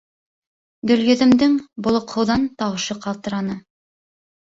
Гөлйөҙөмдөң болоҡһоуҙан тауышы ҡалтыраны.